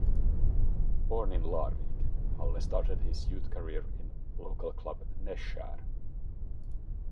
Born in Larvik, Halle started his youth career in local club Nesjar.